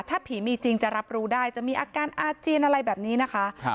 ถ้าผีมีจริงจะรับรู้ได้จะมีอาการอาเจียนอะไรแบบนี้นะคะ